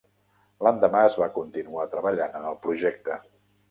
L'endemà es va continuar treballant en el projecte.